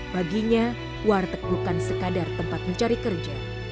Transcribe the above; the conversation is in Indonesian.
baginya warteg bukan sekadar tempat mencari kerja